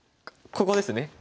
ここですね。